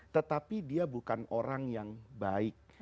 tetapi dia bukan orang yang baik